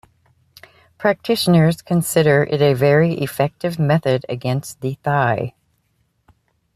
Practitioners consider it a very effective method against the thigh.